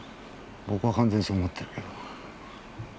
僕は完全にそう思ってるけど。